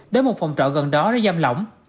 đến một phòng trò gần đó để giam lỏng